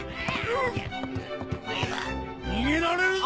逃げられるぞ！